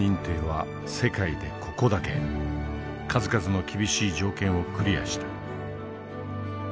数々の厳しい条件をクリアーした。